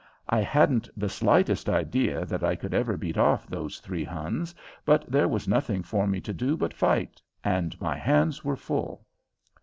I hadn't the slightest idea that I could ever beat off those three Huns, but there was nothing for me to do but fight, and my hands were full.